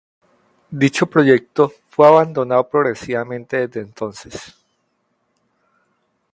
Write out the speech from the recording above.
Dicho proyecto fue abandonando progresivamente desde entonces.